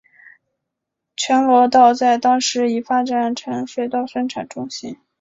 全罗道在当时已发展成水稻生产中心。